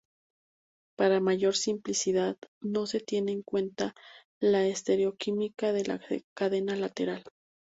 Para mayor simplicidad, no se tiene en cuenta la estereoquímica de la cadena lateral.